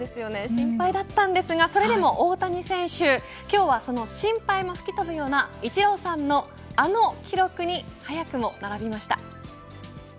心配だったんですがそれでも、大谷選手今日はその心配も吹き飛ぶようなイチローさんのあの記録に早くも並びました。